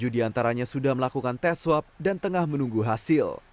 tiga puluh tujuh di antaranya sudah melakukan tes swab dan tengah menunggu hasil